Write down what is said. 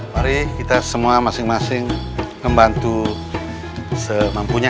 mari kita semua masing masing membantu semampunya